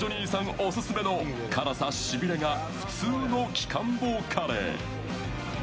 オススメの辛さしびれが普通の鬼金棒カレー。